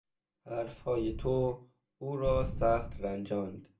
حرفهای تو او را سخت رنجاند.